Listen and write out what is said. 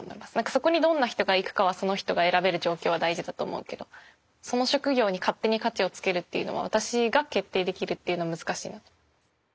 そこにどんな人が行くかはその人が選べる状況は大事だと思うけどその職業に勝手に価値をつけるっていうのは私が決定できるっていうのは難しいなと。